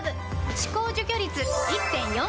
歯垢除去率 １．４ 倍！